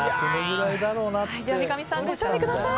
三上さん、ご賞味ください。